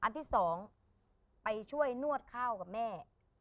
ที่สองไปช่วยนวดข้าวกับแม่